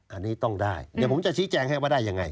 อันนี้ต้องได้เดี๋ยวผมจะชี้แจงให้ว่าได้ยังไง